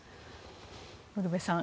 ウルヴェさん